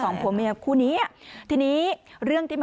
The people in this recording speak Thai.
สองสามีภรรยาคู่นี้มีอาชีพ